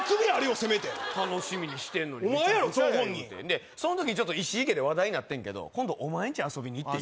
せめて楽しみにしてんのにメチャクチャやってお前やろ張本人でその時ちょっと石井家で話題になってんけど今度お前んち遊びに行っていい？